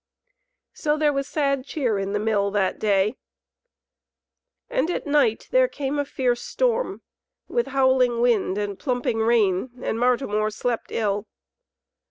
So there was sad cheer in the Mill that day, and at night there came a fierce storm with howling wind and plumping rain, and Martimor slept ill.